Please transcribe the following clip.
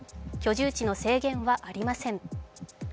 居住地の制限はありません。